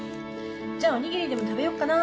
じゃあおにぎりでも食べよっかな。